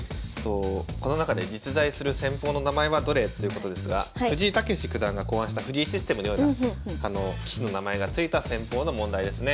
この中で実在する戦法の名前はどれ？ということですが藤井猛九段が考案した藤井システムのような棋士の名前が付いた戦法の問題ですね。